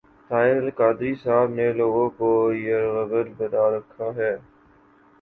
طاہر القادری صاحب نے لوگوں کو یرغمال بنا رکھا ہے۔